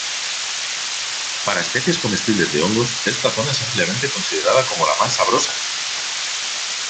Para especies comestibles de hongos, esta zona es ampliamente considerada como la más sabrosa.